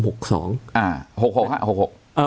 อ่า๖๖ค่ะ๖๖